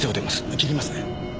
切りますね。